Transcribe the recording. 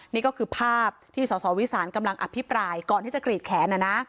นี่ก็คือภาพที่สสวิสานกำลังอภิปรายก่อนที่จะกรีดแขน